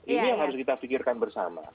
ini yang harus kita pikirkan bersama